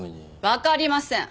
わかりません。